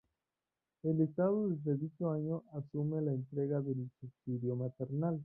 El Estado desde dicho año asume la entrega del subsidio maternal.